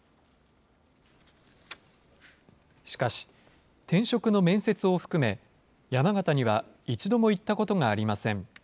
しかし、転職の面接を含め、山形には一度も行ったことがありません。